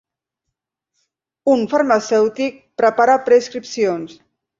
Un farmacèutic prepara prescripcions